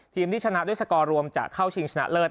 ทีมที่ชนะด้วยสกอร์รวมจะเข้าชิงชนะเลิศ